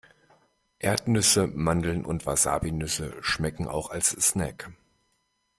Erdnüsse, Mandeln und Wasabinüsse schmecken auch als Snack.